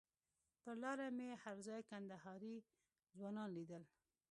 پر لاره مې هر ځای کندهاري ځوانان لیدل.